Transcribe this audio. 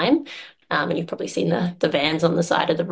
dan anda mungkin sudah melihat van di sisi jalan